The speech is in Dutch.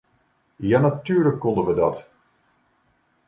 Ja, natuurlijk konden we dat!